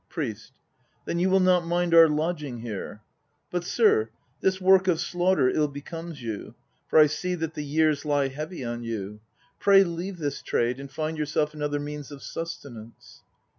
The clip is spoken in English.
PRIEST. Then you will not mind our lodging here. But, sir, this work of slaughter ill becomes you; for I see that the years lie heavy on you. Pray leave this trade and find yourself another means of sustenance.